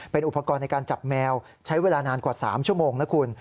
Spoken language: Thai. เป็นอุปกรณ์ในการจับแมวใช้เวลานานกว่า๓ชั่วโมงนะคุณ